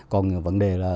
còn vấn đề là